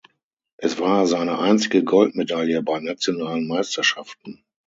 Es war seine einzige Goldmedaille bei nationalen Meisterschaften.